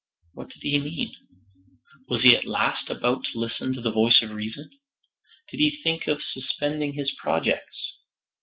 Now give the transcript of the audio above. What did he mean? Was he at last about to listen to the voice of reason? Did he think of suspending his projects?